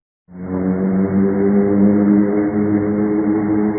ขอบคุณที่ทำดีดีกับแม่ของฉันหน่อยครับ